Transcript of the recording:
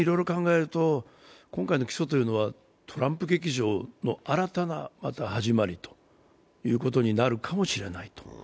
いろいろ考えると、今回の起訴というのは、トランプ劇場の、また新たな始まりということになるかもしれない。